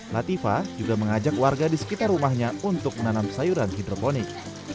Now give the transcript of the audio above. latifah juga mengajak warga di sekitar rumahnya untuk menanam sayuran hidroponik